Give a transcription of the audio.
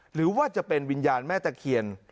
หรือว่าจะเป็นวิญญาณแม่ตะเคียน